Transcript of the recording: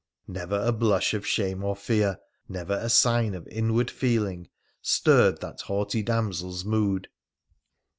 Never a blush of shame or fear, never a sign of inward feeling, stirred that haughty damsel's mood.